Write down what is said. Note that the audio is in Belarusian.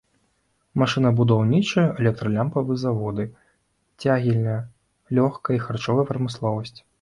Машынабудаўнічы, электралямпавы заводы, цагельня, лёгкая і харчовая прамысловасць.